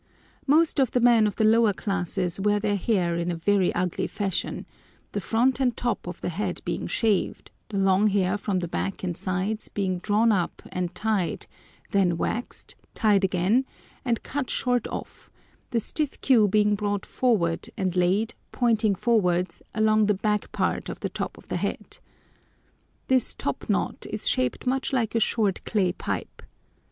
Most of the men of the lower classes wear their hair in a very ugly fashion,—the front and top of the head being shaved, the long hair from the back and sides being drawn up and tied, then waxed, tied again, and cut short off, the stiff queue being brought forward and laid, pointing forwards, along the back part of the top of the head. This top knot is shaped much like a short clay pipe.